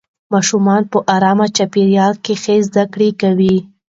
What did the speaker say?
ماشومان په ارام چاپېریال کې ښه زده کړه کوي